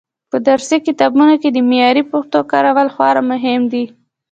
په درسي کتابونو کې د معیاري پښتو کارول خورا مهم دي.